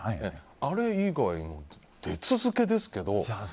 あれ以外、出続けですけど。